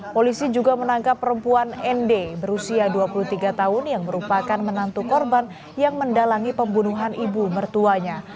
polisi juga menangkap perempuan nd berusia dua puluh tiga tahun yang merupakan menantu korban yang mendalangi pembunuhan ibu mertuanya